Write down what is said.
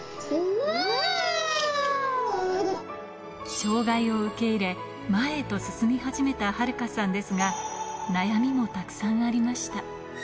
障がいを受け入れ、前へと進み始めた晴香さんですが、悩みもたくさんありました。